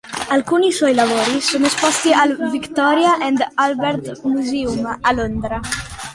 Alcuni suoi lavori sono esposti al Victoria and Albert Museum a Londra.